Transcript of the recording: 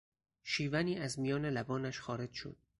شیونی از میان لبانش خارج شد.